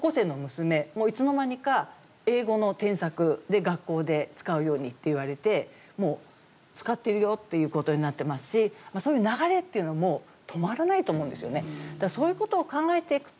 もういつの間にか英語の添削で学校で使うようにっていわれてもう使ってるよということになってますしそういう流れっていうのはもう止まらないと思うんですよね。